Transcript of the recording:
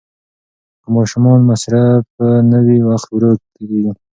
که ماشومان مصروف نه وي، وخت ورو تېریږي.